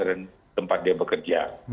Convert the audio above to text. dan tempat dia bekerja